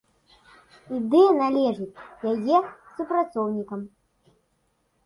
Ідэя належыць яе супрацоўнікам.